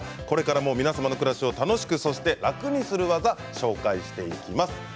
これからも皆様の暮らしを楽しくそして楽にする技を紹介していきます。